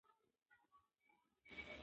پارک ټولنپوهنه د رفتار علم بولي.